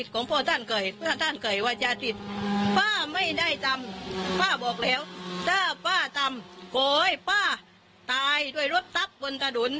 จมกองเลั่นดูรถลูกเองเตี่ยวจะรถว่าตำป่าก็จะได้สร้าง